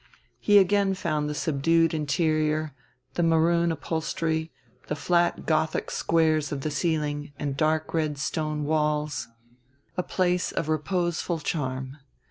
He again found the subdued interior, the maroon upholstery, the flat Gothic squares of the ceiling and dark red stone walls, a place of reposeful charm.